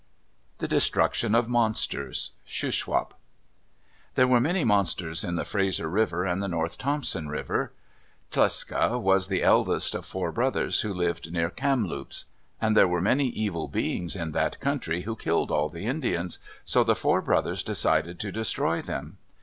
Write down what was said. THE DESTRUCTION OF MONSTERS Shuswap There were many monsters in the Fraser River and the North Thompson River. Tlecsa was the eldest of four brothers who lived near Kamloops, and there were many evil beings in that country who killed all the Indians, so the four brothers decided to destroy them.